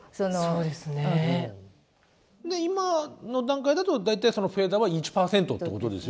で今の段階だと大体そのフェーダーは１％ってことですよね。